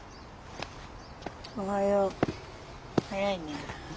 おはよう早いね。